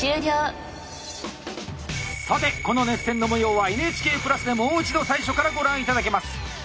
さてこの熱戦のもようは「ＮＨＫプラス」でもう一度最初からご覧頂けます。